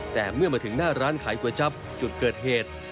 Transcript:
แต่เมื่อมาถึงหน้าร้านขายก๋วยจั๊บจุดเกิดเหตุ